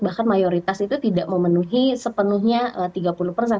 bahkan mayoritas itu tidak memenuhi sepenuhnya tiga puluh persen